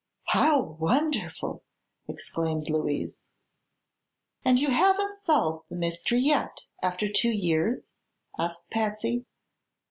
"How wonderful!" exclaimed Louise. "And you haven't solved the mystery yet, after two years?" asked Patsy.